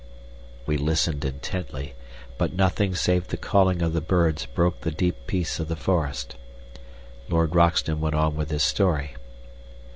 We listened intently, but nothing save the calling of the birds broke the deep peace of the forest. Lord Roxton went on with his story.